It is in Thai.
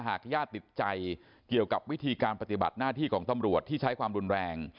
หากญาติติดใจเกี่ยวกับวิธีการปฏิบัติหน้าที่ของตำรวจที่ใช้ความรุนแรง